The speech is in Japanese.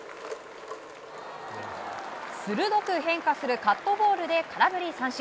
鋭く変化するカットボールで空振り三振！